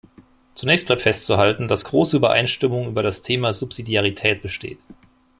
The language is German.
Zunächst bleibt festzuhalten, dass große Übereinstimmung über das Thema Subsidiarität besteht.